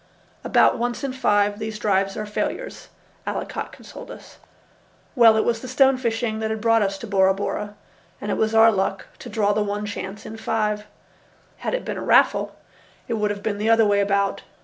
"About once in five these drives are failures," Allicot consoled us. Well, it was the stone fishing that had brought us to Bora Bora, and it was our luck to draw the one chance in five. Had it been a raffle, it would have been the other way about.